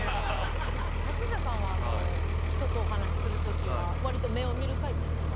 松下さんは人とお話しする時はわりと目を見るタイプですか？